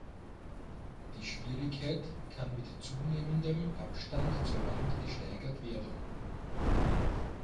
Die Schwierigkeit kann mit zunehmendem Abstand zur Wand gesteigert werden.